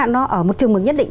nó ở một trường mực nhất định